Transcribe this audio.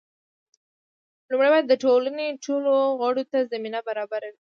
لومړی باید د ټولنې ټولو غړو ته زمینه برابره وي.